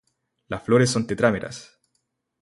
Las flores son tetrámeras.